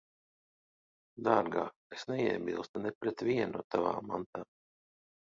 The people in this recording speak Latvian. Dārgā, es neiebilstu ne pret vienu no tavām mantām.